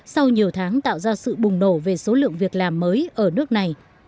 sau nhiều tháng tạo ra sự bùng nổ về số lượng việc làm mới ở nước này